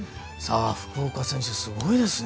福岡選手、すごいですね。